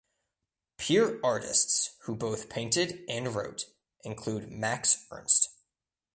Peer artists who both painted and wrote include Max Ernst.